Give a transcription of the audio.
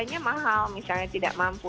banyak misalnya mahal misalnya tidak mampu